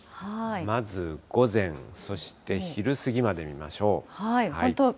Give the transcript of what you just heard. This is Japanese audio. まず午前、そして、昼過ぎまで見ましょう。